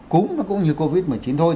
cúm nó cũng như covid một mươi chín thôi